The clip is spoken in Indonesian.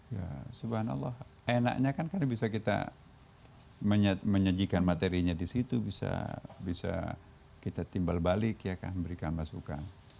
ya subhanallah enaknya kan bisa kita menyajikan materinya di situ bisa kita timbal balik ya kan memberikan masukan